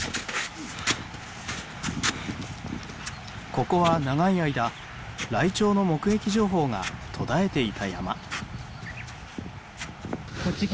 ここは長い間ライチョウの目撃情報が途絶えていた山。